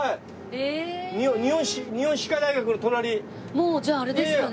もうじゃああれですかね？